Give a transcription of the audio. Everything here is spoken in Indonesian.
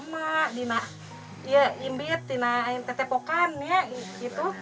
mak di ya imbit di ya tetepokan ya gitu